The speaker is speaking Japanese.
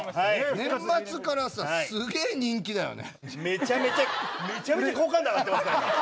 年末からすげぇ人気だよね。